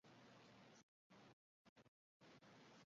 本计画的目的是要确认木星系统是否有适合生命的环境。